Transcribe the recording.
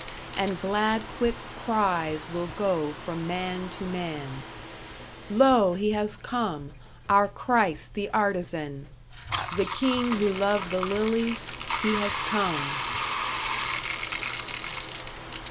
And glad quick cries will go from man to man: "Lo, He has come, our Christ the artisan, The King who loved the lilies, He has come!"